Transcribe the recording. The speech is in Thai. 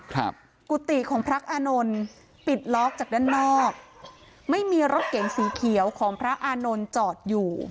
กุฏิของพระอานนท์ปิดล็อกจากด้านนอกไม่มีรถเก๋งสีเขียวของพระอานนท์จอดอยู่